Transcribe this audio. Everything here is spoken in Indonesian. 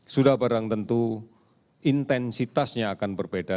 sudah barang tentu intensitasnya akan berbeda